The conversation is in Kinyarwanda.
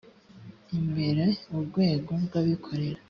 imbere urwego rw abikorera